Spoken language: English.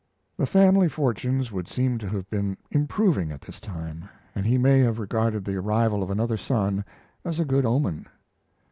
The family fortunes would seem to have been improving at this time, and he may have regarded the arrival of another son as a good omen.